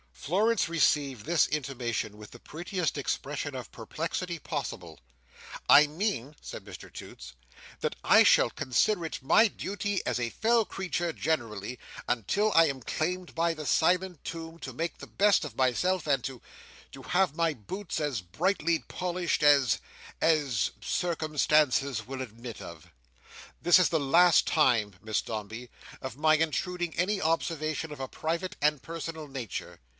Florence received this intimation with the prettiest expression of perplexity possible. "I mean," said Mr Toots, "that I shall consider it my duty as a fellow creature generally, until I am claimed by the silent tomb, to make the best of myself, and to—to have my boots as brightly polished, as—as—circumstances will admit of. This is the last time, Miss Dombey, of my intruding any observation of a private and personal nature.